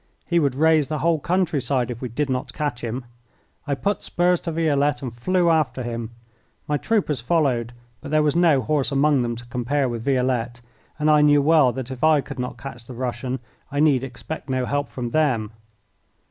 He would raise the whole country side if we did not catch him. I put spurs to Violette and flew after him. My troopers followed; but there was no horse among them to compare with Violette, and I knew well that if I could not catch the Russian I need expect no help from them.